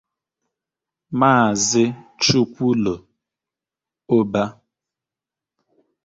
Maazị Chukwulo Obah